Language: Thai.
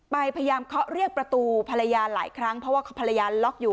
พยายามเคาะเรียกประตูภรรยาหลายครั้งเพราะว่าภรรยาล็อกอยู่